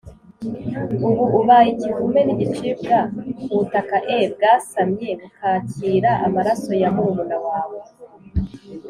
Ubu ubaye ikivume n igicibwa ku butaka e bwasamye bukakira amaraso ya murumuna wawe